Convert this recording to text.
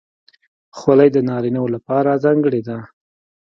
خولۍ د نارینه وو لپاره ځانګړې ده.